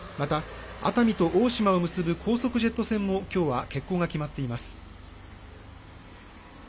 また熱海と大島を結ぶ高速ジェット船もきょうは欠航が決まっています。